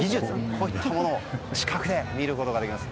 こういったものを近くで見ることができます。